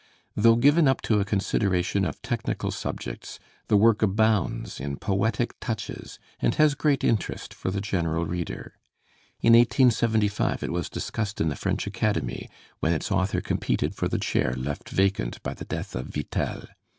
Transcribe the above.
Though given up to a consideration of technical subjects, the work abounds in poetic touches and has great interest for the general reader. In 1875 it was discussed in the French Academy, when its author competed for the chair left vacant by the death of Vitel.